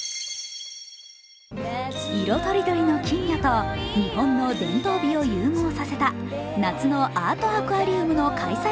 色とりどりの金魚と日本の伝統美を融合させた夏のアートアクアリウムの開催